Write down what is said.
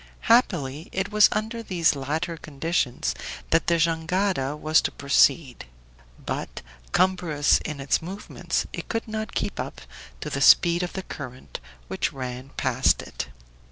Happily, it was under these latter conditions that the jangada was to proceed; but, cumbrous in its movements, it could not keep up to the speed of the current which ran past it.